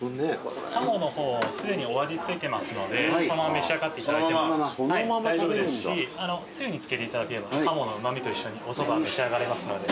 カモの方すでにお味付いてますのでそのまま召し上がっていただいても大丈夫ですしつゆにつけていただければカモのうま味と一緒におそば召し上がれますので。